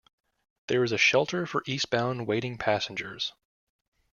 There is a shelter for eastbound waiting passengers.